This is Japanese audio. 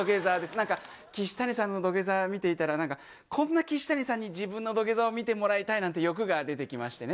何か岸谷さんの土下座見ていたらこんな岸谷さんに自分の土下座を見てもらいたいなんて欲が出てきましてね。